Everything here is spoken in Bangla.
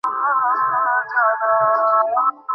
ওটা যদি ভগবানের জিনিস হয়, আভীররা আমাদের আগে নিয়ে নেবে।